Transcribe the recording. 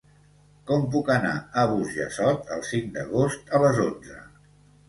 Com puc anar a Burjassot el cinc d'agost a les onze?